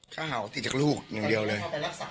ข้าวเห่าติดจากลูกอย่างเดียวเลย